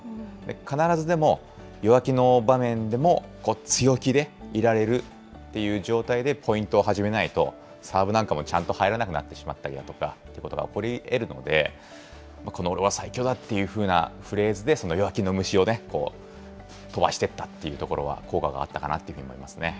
必ずでも、弱気の場面でも、強気でいられるっていう状態で、ポイントを始めないとサーブなんかもちゃんと入らなくなってしまったりだとかということが起こりえるので、この、おれは最強だ！っていうようなフレーズで、その弱気の虫を飛ばしていったというところは、効果があったかなというふうに思いますね。